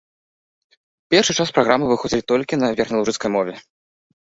Першы час праграмы выходзілі толькі на верхнялужыцкай мове.